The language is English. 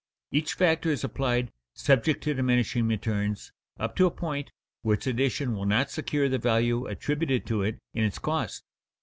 Each factor is applied, subject to diminishing returns, up to a point where its addition will not secure the value attributed to it in its cost.